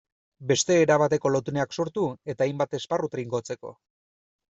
Beste erabateko lotuneak sortu eta hainbat esparru trinkotzeko.